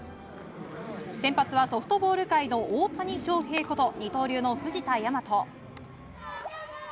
先発はソフトボール界の大谷翔平こと二刀流の藤田倭。